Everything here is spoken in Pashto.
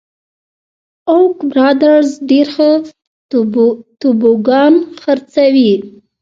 اوک برادرز ډېر ښه توبوګان خرڅوي.